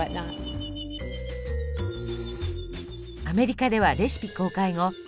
アメリカではレシピ公開後